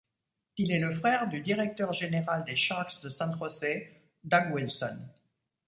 Il est le frère du directeur général des Sharks de San José, Doug Wilson.